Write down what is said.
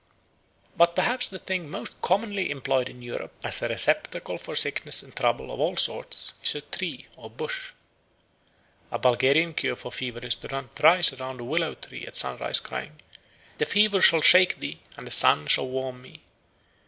But perhaps the thing most commonly employed in Europe as a receptacle for sickness and trouble of all sorts is a tree or bush. A Bulgarian cure for fever is to run thrice around a willow tree at sunrise, crying, "The fever shall shake thee, and the sun shall warm me."